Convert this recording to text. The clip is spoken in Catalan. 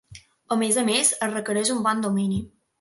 A més a més, es requereix un bon domini.